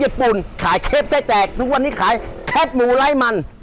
เชฟญี่ปุ่นขายเชฟไส้แตกทุกวันนี้ขายเชฟหมูไล่มัน